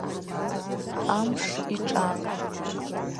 Шӏамш йшӏапӏ.